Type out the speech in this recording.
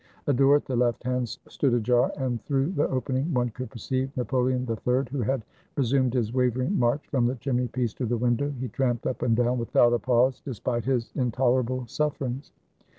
A door at the left hand stood ajar, and, through the opening, one could perceive Napoleon III, who had re sumed his wavering march from the chimney piece to the window. He tramped up and down without a pause, despite his intolerable sufferings.